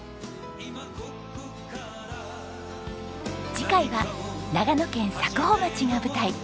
次回は長野県佐久穂町が舞台。